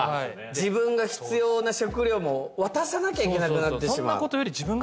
自分が必要な食料も渡さなきゃいけなくなってしまう。